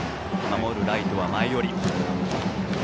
守るライトは前寄り。